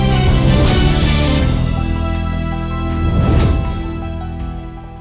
ตอนเขาดีเขาก็เคยดูแลแม่